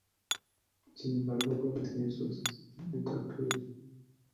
Sin embargo, el juego tiene sus detractores.